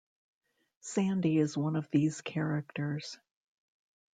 Sandy is one of these characters.